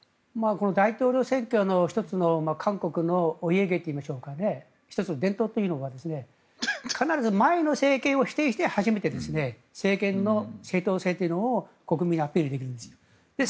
大統領選挙の１つの韓国のお家芸といいましょうか１つの伝統というのが必ず前の政権を否定して初めて政権の正統性というのを国民にアピールできるんです。